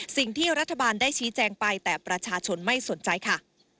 สิ่งที่รัฐบาลได้ชี้แจงไปแต่ประชาชนไม่สนใจค่ะ